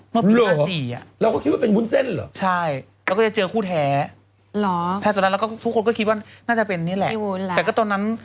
เมื่อปี๔อะใช่แล้วก็จะเจอคู่แท้แท้จากนั้นแล้วก็ทุกคนก็คิดว่าน่าจะเป็นนี่แหละแต่ก็ตอนนั้น